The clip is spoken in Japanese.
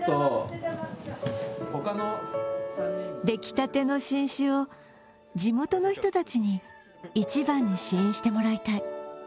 できたての新酒を地元の人たちに一番に試飲してもらいたい。